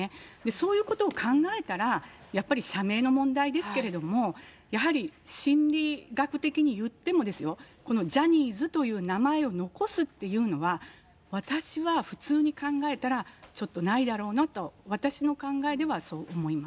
そういうことを考えたら、やっぱり社名の問題ですけれども、やはり心理学的にいってもですよ、このジャニーズという名前を残すっていうのは、私は普通に考えたら、ちょっとないだろうなと、私の考えではそう思います。